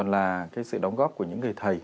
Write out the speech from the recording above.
là cái sự đóng góp của những người thầy